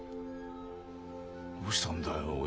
どうしたんだい？